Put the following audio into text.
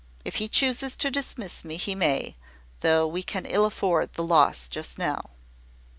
If he chooses to dismiss me, he may, though we can ill afford the loss just now."